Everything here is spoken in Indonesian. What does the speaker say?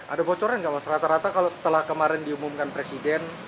ada bocoran nggak mas rata rata kalau setelah kemarin diumumkan presiden